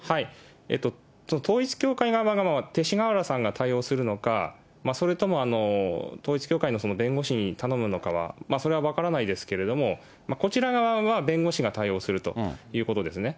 統一教会側は勅使河原さんが対応するのか、それとも統一教会の弁護士に頼むのかは、それは分からないですけれども、こちら側は弁護士が対応するということですね。